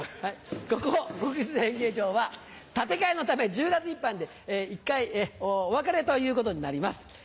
ここ国立演芸場は建て替えのため１０月いっぱいで一回お別れということになります。